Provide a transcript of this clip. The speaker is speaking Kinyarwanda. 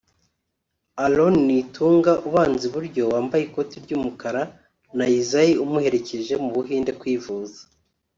Aaron Nitunga ubanza iburyo (wambaye ikote ry'umukara) na Isaie umuherekeje mu Buhinde kwivuza